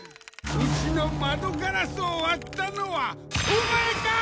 うちの窓ガラスを割ったのはオマエか！？